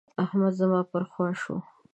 احمد زما پر خوا شو.